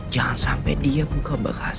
jangan sampe dia buka bakasi